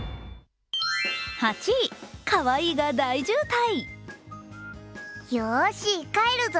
かわいいが大渋滞。